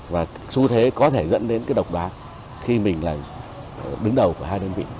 và xu thế có thể dẫn đến cái độc đoán khi mình là đứng đầu của hai đơn vị